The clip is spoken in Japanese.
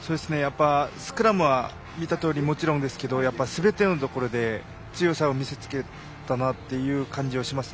スクラムは見たとおりもちろんですがすべてのところで強さを見せ付けたなという感じがしますね。